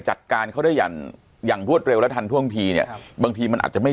จัดการเขาได้อย่างอย่างรวดเร็วและทันท่วงทีเนี่ยบางทีมันอาจจะไม่